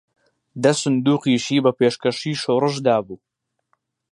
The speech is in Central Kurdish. دە سندووقیشی بە پێشکەشی شۆڕش دابوو